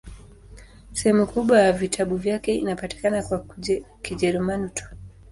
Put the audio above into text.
Sehemu kubwa ya vitabu vyake inapatikana kwa Kijerumani tu.